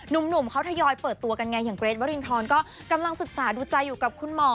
หนุ่มเขาทยอยเปิดตัวกันไงอย่างเกรทวรินทรก็กำลังศึกษาดูใจอยู่กับคุณหมอ